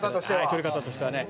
撮り方としてはね。